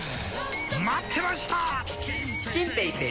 待ってました！